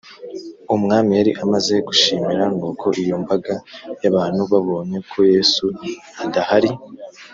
Umwami yari amaze gushimira Nuko iyo mbaga y abantu babonye ko Yesu adahari